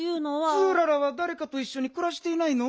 ツーララはだれかといっしょにくらしていないの？